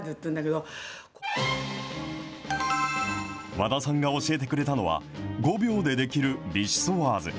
和田さんが教えてくれたのは、５秒でできるビシソワーズ。